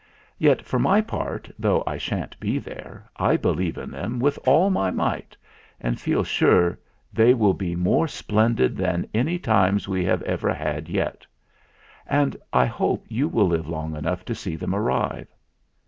Yet, for my part, though I sha'n't be there, I believe in them with all my might, and feel sure that they will be more splendid than any times we have ever had yet. And I hope you will live long enough to see them arrive.